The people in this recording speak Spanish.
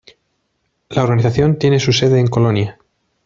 La organización tiene su sede en Colonia.